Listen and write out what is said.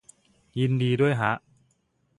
ยินดีด้วยฮะ